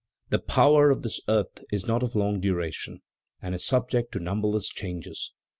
"The power of this earth is not of long duration and is subject to numberless changes.